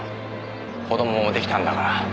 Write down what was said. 子供も出来たんだから。